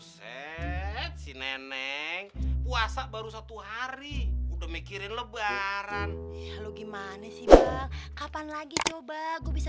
set si nenek puasa baru satu hari udah mikirin lebaran lu gimana sih bang kapan lagi coba gue bisa